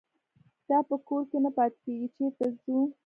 دا په کور کې نه پاتېږي چېرته ځو.